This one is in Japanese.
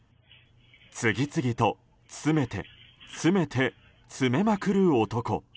次々と詰めて詰めて詰めまくる男。